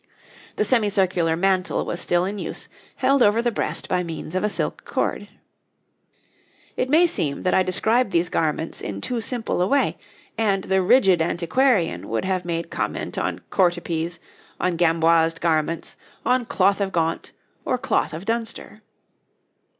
The semicircular mantle was still in use, held over the breast by means of a silk cord. It may seem that I describe these garments in too simple a way, and the rigid antiquarian would have made comment on courtepys, on gamboised garments, on cloth of Gaunt, or cloth of Dunster.